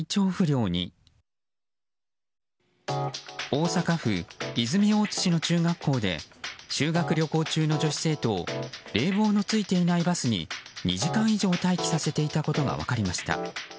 大阪府泉大津市の中学校で修学旅行中の女子生徒を冷房のついていないバスに２時間以上待機させていたことが分かりました。